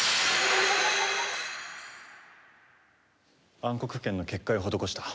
闇黒剣の結界を施した。